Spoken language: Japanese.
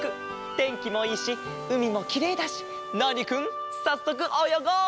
てんきもいいしうみもきれいだしナーニくんさっそくおよごう！